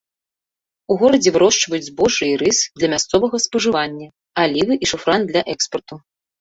У горадзе вырошчваюць збожжа і рыс для мясцовага спажывання, алівы і шафран для экспарту.